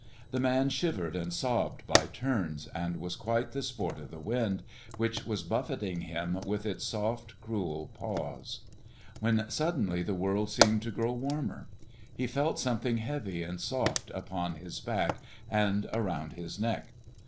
The man shivered and sobbed by turns, and was quite the sport of the wind, which was buffeting him with its soft, cruel paws; when suddenly the world seemed to grow warmer. He felt something heavy and soft upon his back and around his neck.